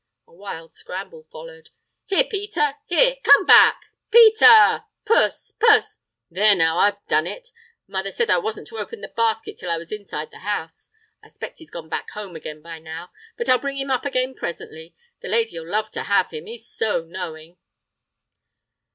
—(a wild scramble followed). "Here, Peter! here—come back—Pe ter! Puss, puss, puss! There now, I've done it! Mother said as I wasn't to open the basket till I was inside the house! I 'spect he's back home again by now! But I'll bring him up again presently. The lady'll love to have him, he's so knowing."